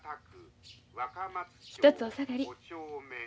１つお下がり。